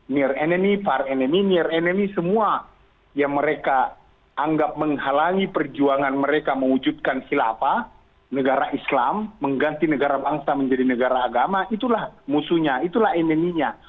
near enemy far enemy near enemy semua yang mereka anggap menghalangi perjuangan mereka mewujudkan hilafah negara islam mengganti negara bangsa menjadi negara agama itulah musuhnya itulah eneminya